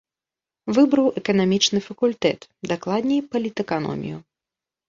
Выбраў эканамічны факультэт, дакладней палітэканомію.